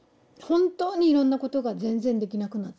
本当にいろんなことが全然できなくなって。